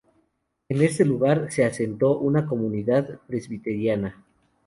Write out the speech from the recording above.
En este lugar se asentó una comunidad Presbiteriana.